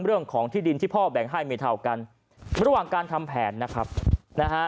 เรื่องของที่ดินที่พ่อแบ่งให้ไม่เท่ากันระหว่างการทำแผนนะครับนะฮะ